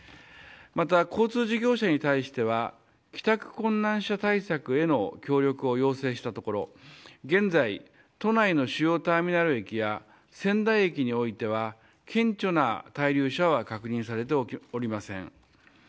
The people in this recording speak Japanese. また交通事業者に対しては帰宅困難者対策への協力を要請したところ現在、都内の主要ターミナル駅や仙台駅においては顕著な滞留者は確認されておりません。